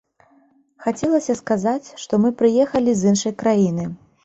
Хацелася сказаць, што мы прыехалі з іншай краіны.